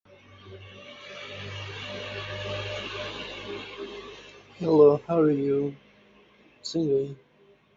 He got a tryout with the New England Patriots but didn't make the team.